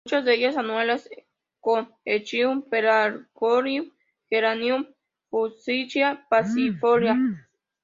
Muchas de ellas anuales con "Echium", "Pelargonium" "Geranium", "Fuchsia", "Passiflora".